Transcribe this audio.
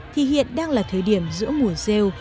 thì hiện đang là thời điểm giữa mùa rêu